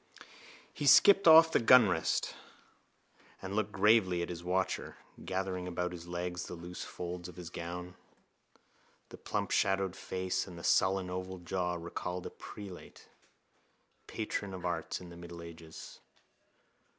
He skipped off the gunrest and looked gravely at his watcher, gathering about his legs the loose folds of his gown. The plump shadowed face and sullen oval jowl recalled a prelate, patron of arts in the middle ages.